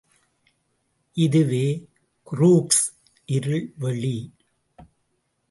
இதுவே குரூக்ஸ் இருள்வெளி.